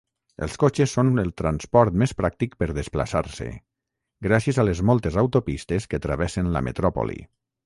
Els cotxes són el transport més pràctic per desplaçar-se, gràcies a les moltes autopistes que travessen la metròpoli.